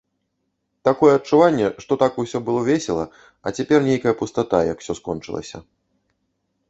Такое адчуванне, што так усё было весела, а цяпер нейкая пустата, як усё скончылася.